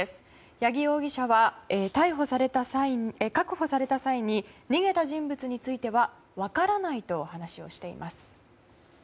八木容疑者は確保された際に逃げた人物は分からないと話をしています。